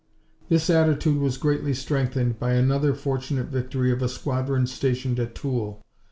This attitude was greatly strengthened by another fortunate victory of a squadron stationed at Toul.